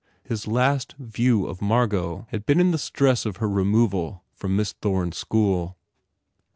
His last view of Margot had been in the stress of her removal from Miss Thome s school.